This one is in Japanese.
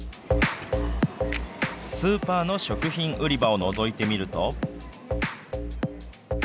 スーパーの食品売り場をのぞいてみると。